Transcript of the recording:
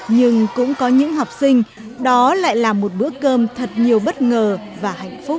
nhưng cũng có những học sinh đó lại là một bữa cơm thật nhiều bất ngờ và hạnh phúc